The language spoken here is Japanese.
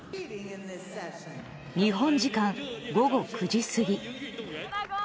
日本時間午後９時過ぎ。